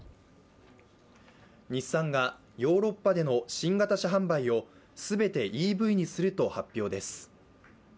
日産がヨーロッパでの新型車販売を全てＥＶにすると発表です。